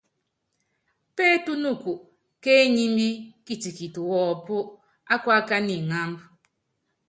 Pétúnuku kéenyimbí kitikiti wɔ́ɔ́pú ákuákána iŋámb.